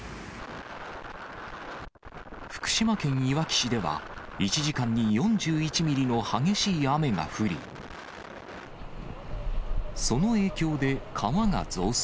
福島県いわき市では、１時間に４１ミリの激しい雨が降り、その影響で、川が増水。